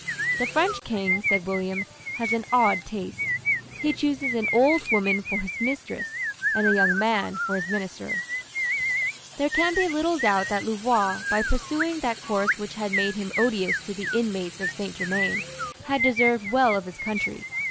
"The French King," said William, "has an odd taste. He chooses an old woman for his mistress, and a young man for his minister." There can be little doubt that Louvois, by pursuing that course which had made him odious to the inmates of Saint Germains, had deserved well of his country.